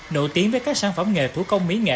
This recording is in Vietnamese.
nổi tiếng với các sản phẩm nghề thủ công mỹ nghệ